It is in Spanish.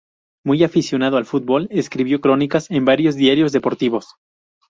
Muy aficionado al fútbol escribió crónicas en varios diarios deportivos.